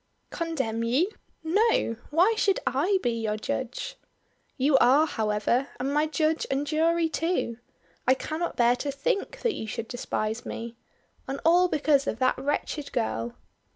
"Condemn you! No! Why should I be your judge?" "You are, however and my judge and jury too. I cannot bear to think that you should despise me. And all because of that wretched girl."